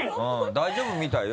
大丈夫みたいよ？